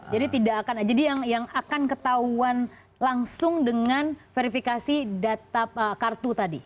jadi tidak akan jadi yang akan ketahuan langsung dengan verifikasi kartu tadi